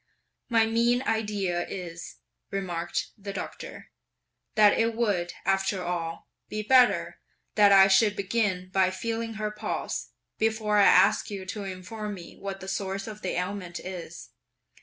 "My mean idea is," remarked the Doctor, "that it would, after all, be better that I should begin by feeling her pulse, before I ask you to inform me what the source of the ailment is.